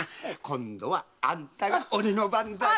今度はあんたが鬼の番だよ。